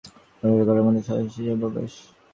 বলিয়া ঘরের মধ্যে সহসা শ্রীশের প্রবেশ।